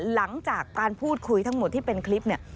หลังจากการพูดคุยทั้งหมดที่เป็นคลิปเนี่ย